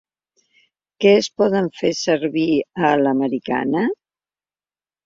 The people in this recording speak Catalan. Que es poden fer servir a l'americana.